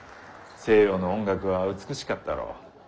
西洋の音楽は美しかったろう？